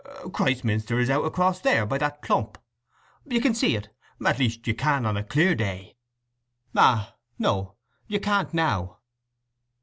"Christminster is out across there, by that clump. You can see it—at least you can on a clear day. Ah, no, you can't now."